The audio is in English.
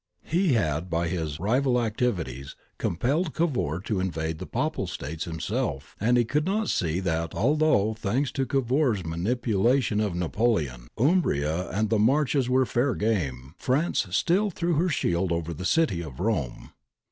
He had by his rival activities compelled Cavour to invade the Papal States himself, and he could not see that, although, thanks to Cavour's manipulation of Napoleon, Umbria and the Marches were fair game, France still threw her shield over the city of Rome.